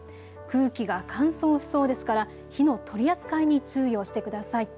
空気が乾燥しそうですから火の取り扱いに注意をしてください。